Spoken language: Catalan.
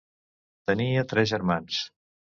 Tenia tres germans.